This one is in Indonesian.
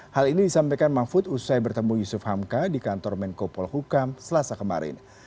hal ini disampaikan mahfud usai bertemu yusuf hamka di kantor menko polhukam selasa kemarin